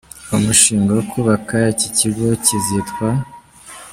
Uwo mushinga wo kubaka iki kigo kizitwa.